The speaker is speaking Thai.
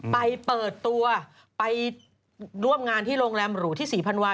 เปิดตัวไปร่วมงานที่โรงแรมหรูที่ศรีพันวา